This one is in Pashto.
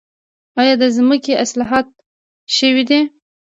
آیا د ځمکې اصلاحات شوي دي؟